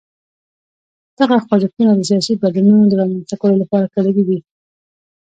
دغه خوځښتونه د سیاسي بدلونونو د رامنځته کولو لپاره کلیدي دي.